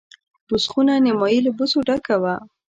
بوس خونه نیمایي له بوسو ډکه وه.